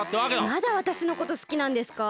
まだわたしのことすきなんですか？